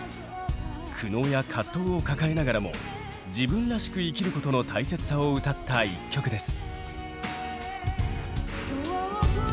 苦悩や葛藤を抱えながらも自分らしく生きることの大切さを歌った１曲です。